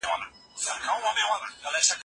ایا ستا لارښود استاد تېره ورځ راغلی و؟